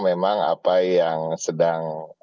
memang apa yang sedang